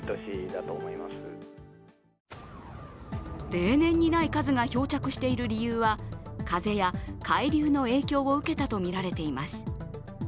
例年にない数が漂着している理由は、風や海流の影響を受けたとみられています。